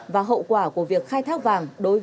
và hậu quả của việc khai thác vàng